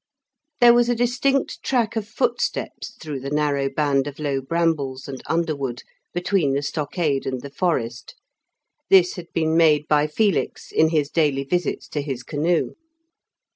There was a distinct track of footsteps through the narrow band of low brambles and underwood between the stockade and the forest. This had been made by Felix in his daily visits to his canoe.